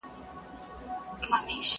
سپين لاسونه د ساقي به چيري وېشي،